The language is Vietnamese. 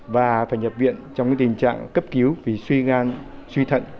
và phải nhập viện trong tình trạng cấp cứu vì suy gan suy thận